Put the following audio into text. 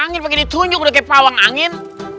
angin begini tunjuk sudah seperti pawang angin